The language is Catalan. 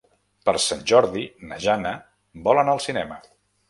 Per Sant Jordi na Jana vol anar al cinema.